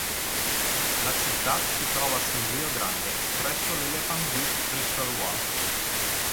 La città si trova sul Rio Grande, presso l'Elephant Butte Reservoir.